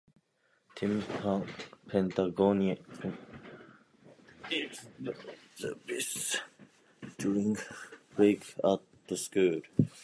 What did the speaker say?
Tim Pagnotta met ex-drummer Ben Davis during a cigarette break at school.